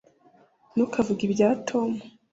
ntukavuge ibya tom